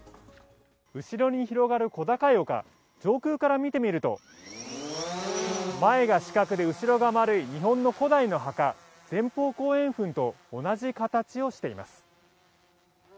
後ろに広がる小高い丘、上空から見てみると前が四角で後ろが丸い、日本の古代の墓、前方後円墳と同じ形をしています。